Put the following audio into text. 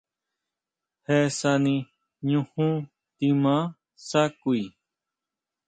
Je sani ñujún timaa sá kui.